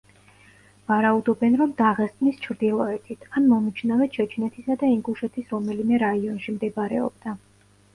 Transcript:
ვარაუდობენ, რომ დაღესტნის ჩრდილოეთით ან მომიჯნავე ჩეჩნეთისა და ინგუშეთის რომელიმე რაიონში მდებარეობდა.